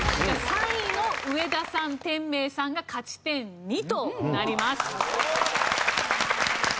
３位の上田さん天明さんが勝ち点２となります。